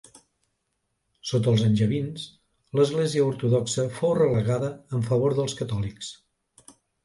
Sota els angevins, l'Església ortodoxa fou relegada en favor dels catòlics.